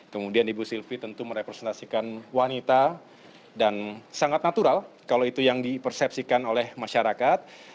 kemudian ibu sylvi tentu merepresentasikan wanita dan sangat natural kalau itu yang dipersepsikan oleh masyarakat